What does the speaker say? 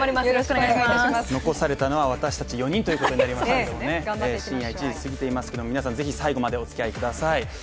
残されたのは私たち４人ということになりましたけど深夜１時過ぎていますけれども皆さん是非お付き合いください。